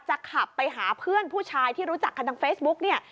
จะขับไปหาเพื่อนผู้ชายที่รู้จักกันทางเฟซบุ๊กเนี่ย